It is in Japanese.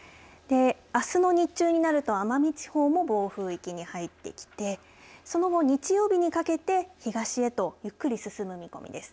あすの日中になると奄美地方も暴風域に入ってきてその後、日曜日にかけて東へとゆっくり進む見込みです。